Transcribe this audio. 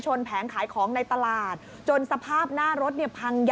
ชาย๑ราย